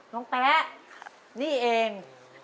น้องแป๊ะนี่เอง